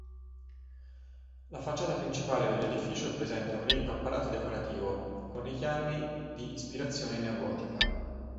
La facciata principale dell'edificio presenta un ricco apparato decorativo, con richiami di ispirazione neogotica.